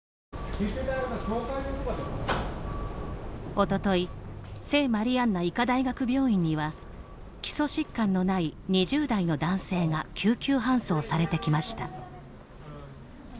おととい聖マリアンナ医科大学病院には基礎疾患のない２０代の男性が救急搬送されてきました。